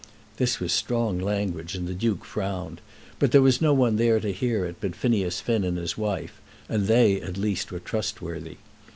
This was strong language, and the Duke frowned; but there was no one there to hear it but Phineas Finn and his wife, and they, at least, were trustworthy.